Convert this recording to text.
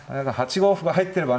８五歩が入ってればね。